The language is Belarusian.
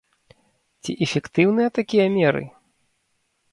Ці эфектыўныя такія меры?